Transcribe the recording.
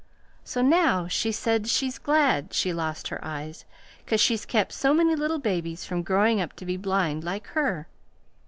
So now she says she's glad she lost her eyes, 'cause she's kept so many little babies from growing up to be blind like her.